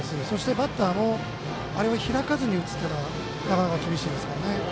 バッターもあれを開かずに打つのはなかなか、難しいですから。